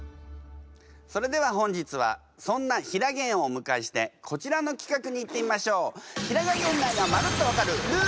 それでは本日はそんなひらげんをお迎えしてこちらの企画にいってみましょう。